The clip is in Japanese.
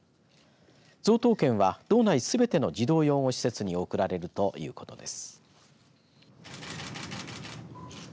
贈答券は道内すべての児童養護施設に贈られるということです。